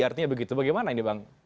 artinya begitu bagaimana